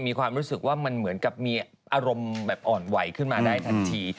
มีความรู้สึกว่ามันเหมือนกับมีอารมณ์แบบอ่อนไหวขึ้นมาได้ทันที